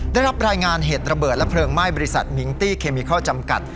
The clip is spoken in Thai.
ได้รับรายงานเหตุระเบิดและเพลิงไหม้บริษัทมิงตี้เคมิเคิลจำกัด